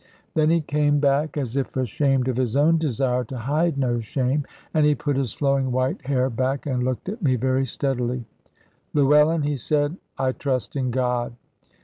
Then he came back, as if ashamed of his own desire to hide no shame, and he put his flowing white hair back, and looked at me very steadily. "Llewellyn," he said, "I trust in God.